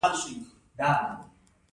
دا نندارتون له اقتصادي پلوه هم مهم و.